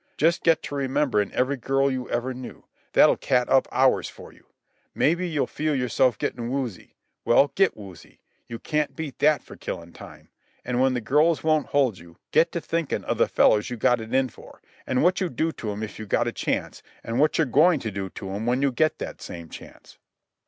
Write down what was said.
Just get to rememberin' every girl you ever knew. That'll eat up hours for you. Mebbe you'll feel yourself gettin' woozy. Well, get woozy. You can't beat that for killin' time. An' when the girls won't hold you, get to thinkin' of the fellows you got it in for, an' what you'd do to 'em if you got a chance, an' what you're goin' to do to 'em when you get that same chance."